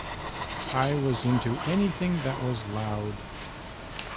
I was into anything that was loud.